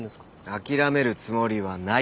諦めるつもりはない。